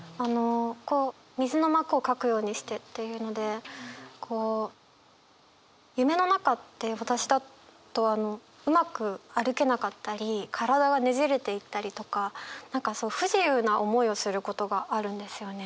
「水の膜を掻くようにして」っていうので夢の中って私だとうまく歩けなかったり体がねじれていたりとか何か不自由な思いをすることがあるんですよね。